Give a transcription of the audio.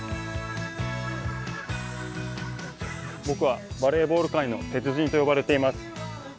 僕はバレーボール界の鉄人と呼ばれています。